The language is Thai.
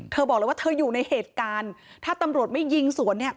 บอกเลยว่าเธออยู่ในเหตุการณ์ถ้าตำรวจไม่ยิงสวนเนี่ย